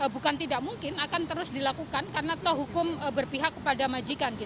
bukan tidak mungkin akan terus dilakukan karena toh hukum berpihak kepada majikan